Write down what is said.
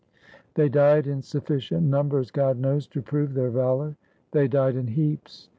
They died in sufficient numbers, God knows, to prove their valor. They died in heaps.